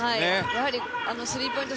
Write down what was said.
やはりスリーポイント